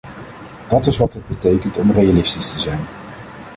Dát is wat het betekent om realistisch te zijn.